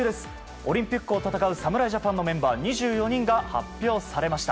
オリンピックを戦う侍ジャパンのメンバー２４人が発表されました。